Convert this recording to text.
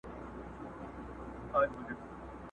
دوى به يو پر بل كوله گوزارونه.!